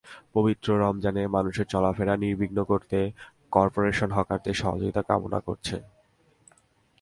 পবিত্র রমজানে মানুষের চলাফেরা নির্বিঘ্ন করতে করপোরেশন হকারদের সহযোগিতা কামনা করছে।